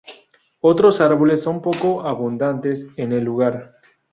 Otros árboles son poco abundantes en el lugar.